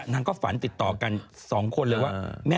นางก็ฝันติดต่อกัน๒คนเลยว่า